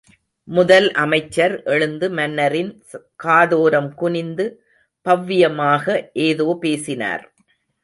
முதல் அமைச்சர் எழுந்து மன்னரின் காதோரம் குனிந்து பவ்யமாக ஏதோ பேசினார்.